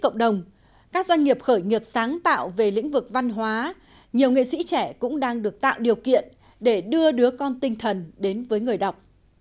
các doanh nghiệp khởi nghiệp sáng tạo về lĩnh vực văn hóa nhiều nghệ sĩ trẻ cũng đang được tạo điều kiện để đưa đứa con tinh thần đến với người đọc